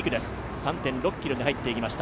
３．６ｋｍに入っていきました。